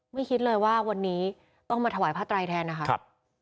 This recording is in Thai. ไม่คิดเลยว่าวันนี้ต้องมาถวายพระไตรแทนนะคะ